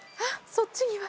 そっちには。